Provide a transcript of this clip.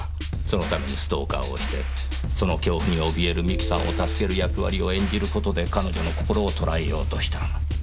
そのためにストーカーをしてその恐怖に怯える美紀さんを助ける役割を演じる事で彼女の心をとらえようとした。